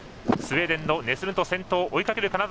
スウェーデンのネスルント先頭追いかける